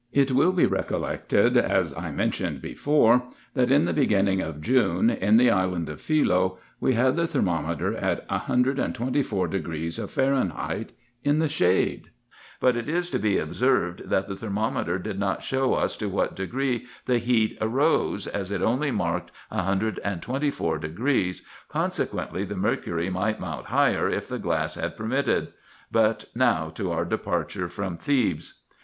It will be recol lected, as I mentioned before, that in the beginning of June, in the island of Philce, we had the thermometer at 124° of Fahren heit in the shade ; but it is to be observed, that the thermometer did not show us to what degree the heat arose, as it only marked 124°, consequently the mercury might mount higher if the glass had permitted. But now to our departure from Thebes.